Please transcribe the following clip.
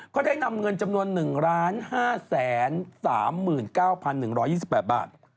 ก็ได้นำเงินจำนวน๑๕๓๙๑๒๘บาท